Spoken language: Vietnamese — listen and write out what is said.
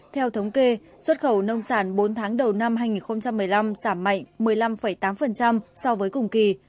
theo thống kê xuất khẩu nông sản bốn tháng đầu năm hai nghìn một mươi năm giảm mạnh một mươi năm tám so với cùng kỳ